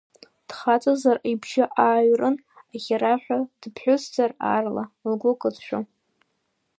Дхаҵазар ибжьы ааҩрын аӷьараҳәа, дыԥҳәысзар аарла, лгәы кыдшәо.